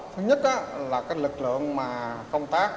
thứ nhất là lực lượng công tác